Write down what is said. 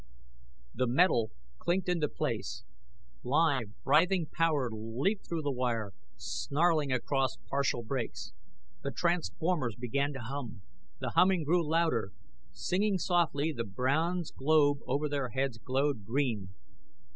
The metal clinked into place. Live, writhing power leaped through the wire, snarling across partial breaks. The transformers began to hum. The humming grew louder. Singing softly, the bronze globe over their heads glowed green.